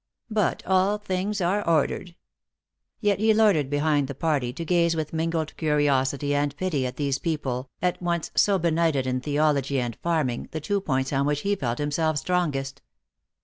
But all things are ordered." Yet he loitered behind the party, to gaze with mingled curiosity and pity at these people, at once so benighted in theology and farming, the two points on which he felt himself strongest.